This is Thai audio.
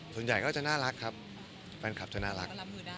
ส่วนใหญ่ก็จะน่ารักครับแฟนคลับจะน่ารัก